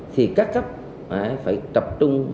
thì các cấp phải tập trung